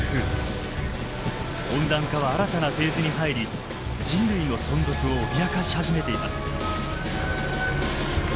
温暖化は新たなフェーズに入り人類の存続を脅かし始めています。